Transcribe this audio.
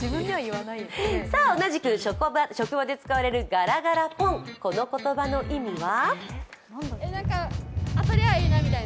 同じく職場で使われるガラガラポン、この言葉の意味は？